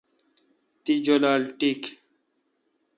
تی جولال ٹیک۔